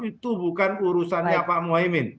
itu bukan urusannya pak muhaymin